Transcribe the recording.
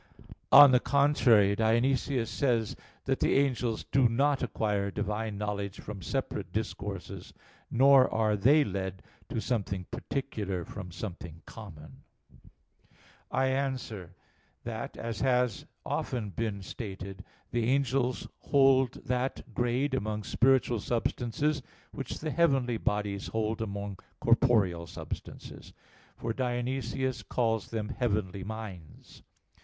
On the contrary, Dionysius says (Div. Nom. vii) that the "angels do not acquire Divine knowledge from separate discourses, nor are they led to something particular from something common." I answer that, As has often been stated (A. 1; Q. 55, A. 1), the angels hold that grade among spiritual substances which the heavenly bodies hold among corporeal substances: for Dionysius calls them "heavenly minds" (loc.